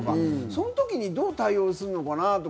その時にどう対応するのかなって。